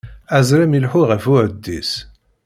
Azrem ileḥḥu ɣef uɛeddis.